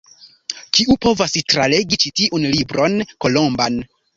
Kiu povas tralegi ĉi tiun Libron Kolomban?